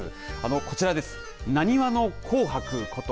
こちらです、なにわの紅白こと